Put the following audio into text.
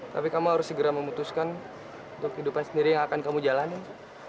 tapi kamu harus segera memutuskan untuk kehidupan sendiri yang akan kamu jalanin